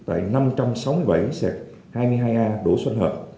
năm trăm sáu mươi bảy hai mươi hai a đỗ xoanh hợp